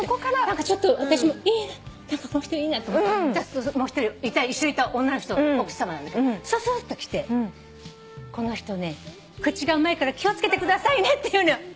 何かちょっと私もいいな何かこの人いいなと思ったらもう一人一緒にいた女の人奥さまなんだけどすすっと来て「この人ね口がうまいから気を付けてくださいね」って言うのよ。